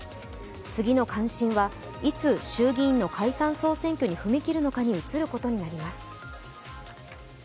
次の関心は、いつ衆議院の解散総選挙に移ることになります。